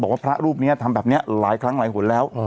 พระรูปนี้ทำแบบนี้หลายครั้งหลายหนแล้ว